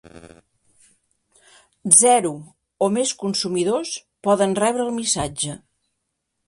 Zero o més consumidors poden rebre el missatge.